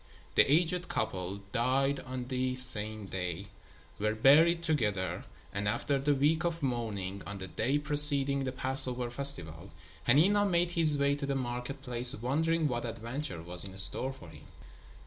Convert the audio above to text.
The aged couple died on the same day, were buried together and after the week of mourning, on the day preceding the Passover festival, Hanina made his way to the market place wondering what adventure was in store for him.